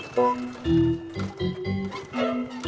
sampai jumpa lagi